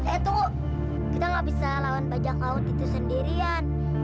eh tuh kita gak bisa lawan bajak laut itu sendirian